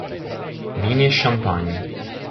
Vini e champagne".